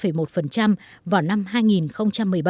theo đó sáu mươi tám năm mươi ba triệu người đã thoát nghèo